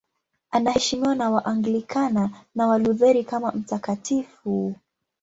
Anaheshimiwa na Waanglikana na Walutheri kama mtakatifu.